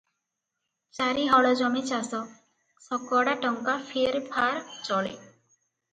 ଚାରି ହଳ ଜମି ଚାଷ, ଶକଡ଼ା ଟଙ୍କା ଫେର ଫାର ଚଳେ ।